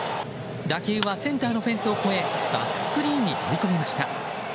打球はセンターのフェンスを越えバックスクリーンに飛び込みました。